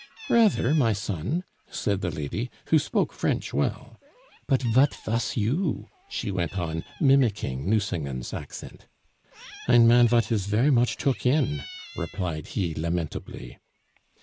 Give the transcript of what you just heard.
"Rather, my son," said the lady, who spoke French well, "But vat vas you?" she went on, mimicking Nucingen's accent. "Ein man vat is ver' much took in," replied he lamentably.